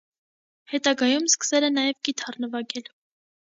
Հետագայում սկսել է նաև կիթառ նվագել։